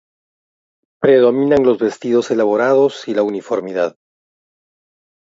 Predominan los vestidos elaborados y la uniformidad.